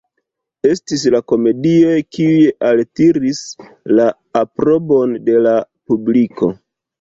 Estis la komedioj kiuj altiris la aprobon de la publiko.